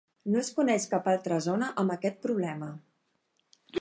No es coneix cap altra zona amb aquest problema.